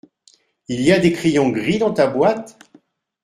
Il y a des crayons gris dans ta boîte ?